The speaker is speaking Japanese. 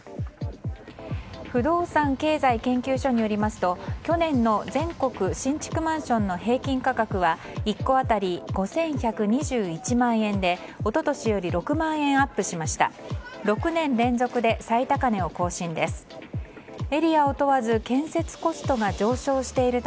不動産経済研究所によりますと去年の全国新築マンションの平均価格は１戸当たり５１２１万円で一昨年より６万円アップしました。